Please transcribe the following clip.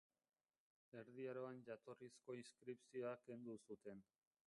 Erdi Aroan jatorrizko inskripzioa kendu zuten.